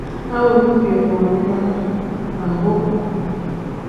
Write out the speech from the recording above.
A wenbi biimoona nya ne aho.